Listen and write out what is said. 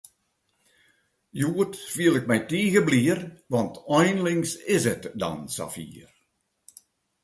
Hjoed fiel ik my tige blier, want einlings is it dan safier!